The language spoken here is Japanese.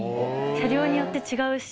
車両によって違うし。